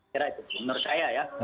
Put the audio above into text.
ya menurut saya ya